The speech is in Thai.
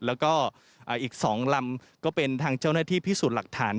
แล้วก็อีก๒ลำก็เป็นทางเจ้าหน้าที่พิสูจน์หลักฐาน